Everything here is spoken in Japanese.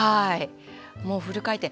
もうフル回転。